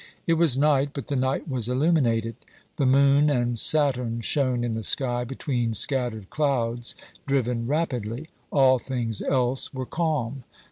It was night, but the night was illuminated. The moon and Saturn shone in the sky between scattered clouds driven rapidly ; all things else were calm.